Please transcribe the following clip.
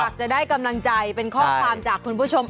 อยากจะได้กำลังใจเป็นข้อความจากคุณผู้ชม